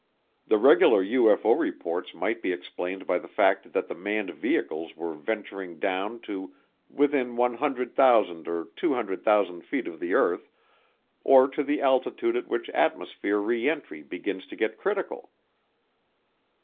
The regular UFO reports might be explained by the fact that the manned vehicles were venturing down to within 100,000 or 200,000 feet of the earth, or to the altitude at which atmosphere re entry begins to get critical.